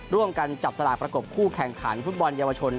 ร่วมกันจับสลากประกบคู่แข่งขันฟุตบอลเยาวชน